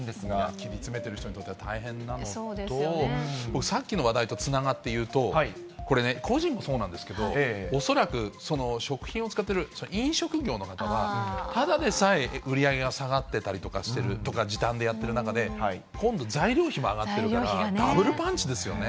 切り詰めてる人にとっては、大変なのと、僕、さっきの話題とつながって言うと、これね、個人もそうなんですけど、恐らく食品を使っている飲食業の方は、ただでさえ売り上げが下がってたりとかしてるとか、時短でやってる中で、今度、材料費も上がってるから、ダブルパンチですよね。